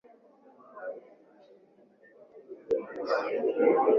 ja coach witnesses waseme kitu chochote na tumesema kwamba